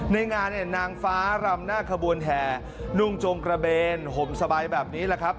ในงานเนี่ยนางฟ้ารำหน้าขบวนแห่นุ่งจงกระเบนห่มสบายแบบนี้แหละครับ